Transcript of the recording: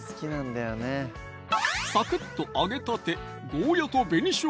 サクッと揚げたて